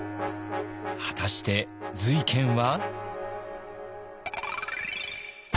果たして瑞賢は？